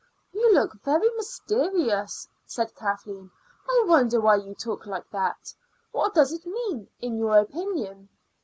"You look very mysterious," said Kathleen. "I wonder why you talk like that. What does it mean, in your opinion?"